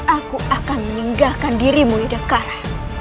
aku akan meninggalkan dirimu yudhakara